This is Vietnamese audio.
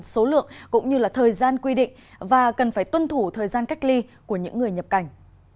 số lượng cũng như là thời gian quy định và cần phải tuân thủ thời gian cách ly của những người nhập cảnh